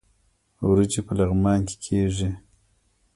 وریجې په لغمان کې کیږي